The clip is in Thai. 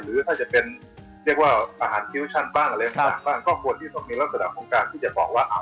หรือถ้าจะเป็นอาหารผิวชันบ้างก็ควรทิศมีลักษณะของการที่จะบอกว่า